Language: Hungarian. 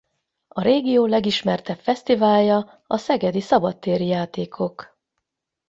A régió legismertebb fesztiválja a Szegedi Szabadtéri Játékok.